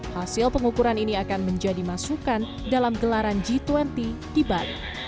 hasil pengukuran ini akan menjadi masukan dalam gelaran g dua puluh di bali